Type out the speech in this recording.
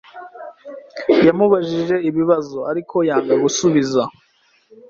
Yamubajije ibibazo, ariko yanga gusubiza.